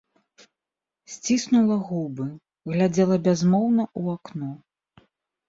Сціснула губы, глядзела бязмоўна ў акно.